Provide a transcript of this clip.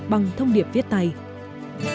bằng thông tin của hà nội massive community